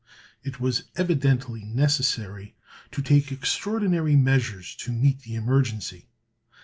It was evidently necessary to take extraordinary measures to meet the emergency.